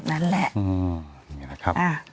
อืมนั้นแหละ